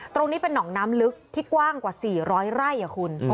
ตรงนี้เป็นหนองน้ำลึกที่กว้างกว่า๔๐๐ไร่คุณ